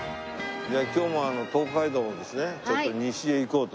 今日も東海道をですねちょっと西へ行こうと。